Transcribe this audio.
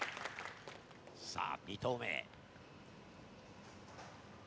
さあ２投目！